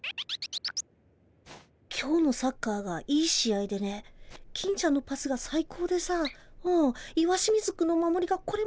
今日のサッカーがいい試合でね金ちゃんのパスが最高でさうん石清水君の守りがこれまた見事でね